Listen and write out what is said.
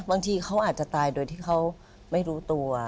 บางทีเขาอาจจะตายโดยที่เขาไม่รู้ตัว